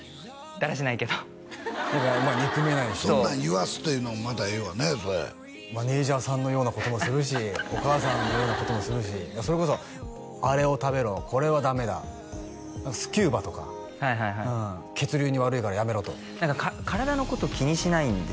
だらしないけど憎めない人そんなん言わすというのもまたええわねそれマネージャーさんのようなこともするしお母さんのようなこともするしそれこそあれを食べろこれはダメだスキューバとか血流に悪いからやめろと体のことを気にしないんですよ